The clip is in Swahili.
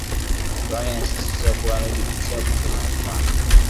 Rwanda inasisitizwa kwamba Demokrasia ya Kongo na Rwanda